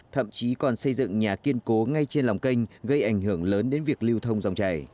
thậm chí còn xây dựng nhà kiên cố ngay trên lòng kênh gây ảnh hưởng lớn đến việc lưu thông dòng chảy